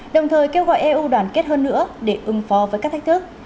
đồng thời kêu gọi eu đoàn kết hơn nữa để ứng phó với các thách thức